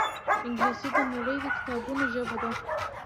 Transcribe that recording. انګلیسي د نړۍ د کتابونو ژبه ده